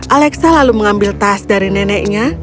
alexa lalu mengambil tas dari neneknya